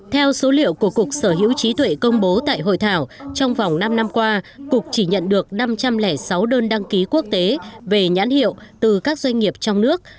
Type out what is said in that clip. theo số liệu của cục sở hữu trí tuệ công bố tại hội thảo trong vòng năm năm qua cục chỉ nhận được năm trăm linh sáu đơn đăng ký quốc tế về nhãn hiệu từ các doanh nghiệp trong nước